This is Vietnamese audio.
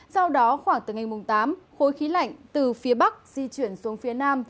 sau đó khoảng từ ngày tám khối khí lạnh từ phía bắc di chuyển xuống phía nam